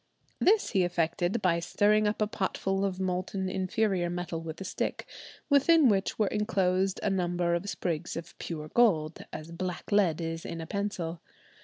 This he effected by stirring up a potful of molten inferior metal with a stick, within which were enclosed a number of sprigs of pure gold, as black lead is in a pencil.